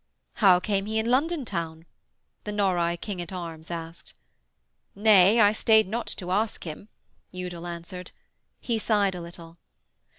'How came he in London town?' the Norroy King at Arms asked. 'Nay, I stayed not to ask him,' Udal answered. He sighed a little.